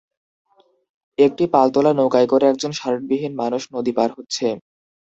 একটি পালতোলা নৌকায় করে একজন শার্টবিহীন মানুষ নদী পার হচ্ছে